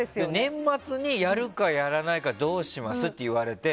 年末に、やるかやらないかどうします？って言われて。